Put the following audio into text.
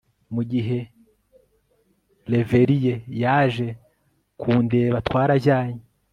Mugihe reveriye yaje kundebatwarajyanye